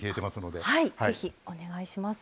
はいぜひお願いします。